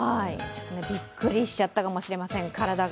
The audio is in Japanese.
びっくりしちゃったかもしれません、体が。